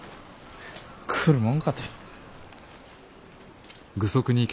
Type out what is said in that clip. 来るもんかて。